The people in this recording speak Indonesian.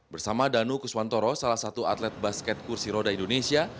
bersama danu kuswantoro salah satu atlet basket kursi roda indonesia